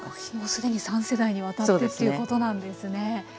既に３世代にわたってということなんですね。